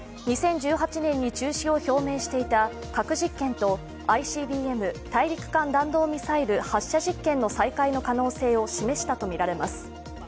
２０１８年に中止を表明していた核実験とＩＣＢＭ＝大陸間弾道ミサイルの発射実験の再開の可能性を示したとみられます。